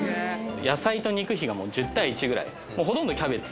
野菜と肉比がもう１０対１ぐらいもうほとんどキャベツ